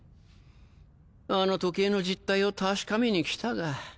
あの時計の実態を確かめに来たが。